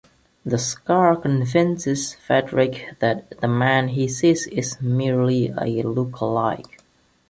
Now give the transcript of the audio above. The scar convinces Frederick that the man he sees is merely a lookalike.